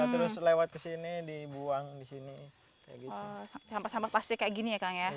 terus lewat ke sini dibuang di sini